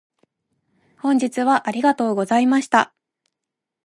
本日はありがとうございました。